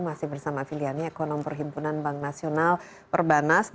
masih bersama afi liani ekonom perhimpunan bank nasional perbanas